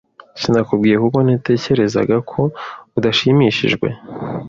Sinakubwiye kuko natekerezaga ko udashimishijwe.